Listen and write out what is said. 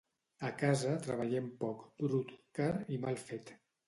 A casa treballem poc, brut, car i mal fet.